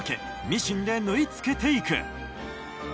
ミシンで縫い付けていく。